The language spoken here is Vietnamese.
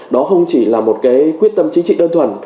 đó không chỉ là một cái quyết tâm chính trị đơn thuần